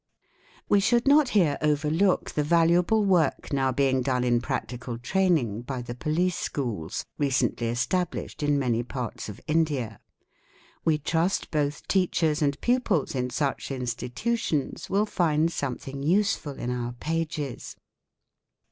We should not here overlook the valuable work now being done in practical training by the Police Schools, recently established in many parts of India. We trust both teachers and pupils in such Institutions will find something useful in our pages.